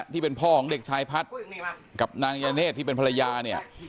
ที่เป็นพ่อของเด็กชายพัฒน์กับนางยาเนธที่เป็นภรรยาเนี่ย